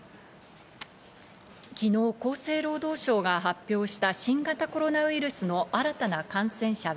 昨日、厚生労働省が発表した新型コロナウイルスの新たな感染者は